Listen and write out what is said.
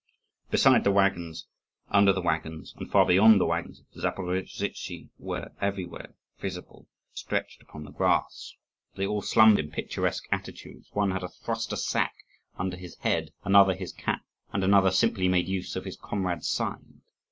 Beside the waggons, under the waggons, and far beyond the waggons, Zaporozhtzi were everywhere visible, stretched upon the grass. They all slumbered in picturesque attitudes; one had thrust a sack under his head, another his cap, and another simply made use of his comrade's side.